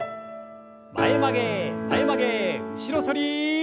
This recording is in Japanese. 前曲げ前曲げ後ろ反り。